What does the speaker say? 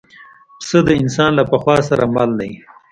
پسه د انسان له پخوا سره مل دی.